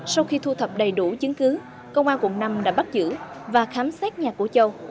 sau khi thu thập đầy đủ chứng cứ công an quận năm đã bắt giữ và khám xét nhà của châu